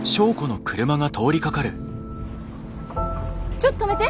ちょっと止めて！